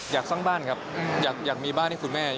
อยากสร้างบ้านครับอยากมีบ้านให้คุณแม่